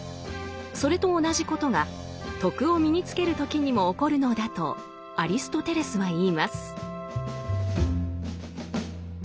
それと同じことが「徳」を身につける時にも起こるのだとアリストテレスは言います。